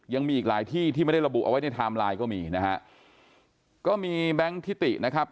ยังมีอีกหลายที่ที่ไม่ได้ระบุเอาไว้ในไทม์ไลน์ก็มีนะฮะก็มีแบงค์ทิตินะครับ